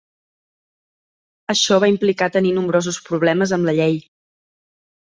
Això va implicar tenir nombrosos problemes amb la llei.